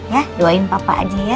ya doain papa aja ya